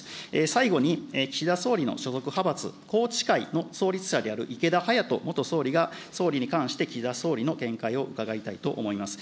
最後に、岸田総理の所属派閥、宏池会の創立者である、池田勇人元総理が総理に関して岸田総理の見解を伺いたいと思います。